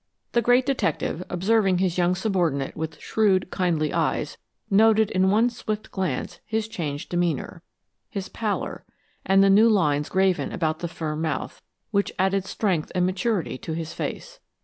The great detective, observing his young subordinate with shrewd, kindly eyes, noted in one swift glance his changed demeanor: his pallor, and the new lines graven about the firm mouth, which added strength and maturity to his face.